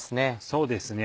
そうですね